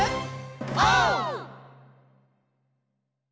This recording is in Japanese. オー！